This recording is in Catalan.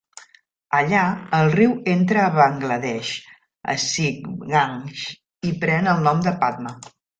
Allà, el riu entra a Bangladesh, a Shibganj, i pren el nom de Padma.